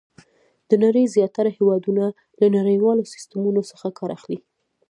د نړۍ زیاتره هېوادونه له نړیوالو سیسټمونو څخه کار اخلي.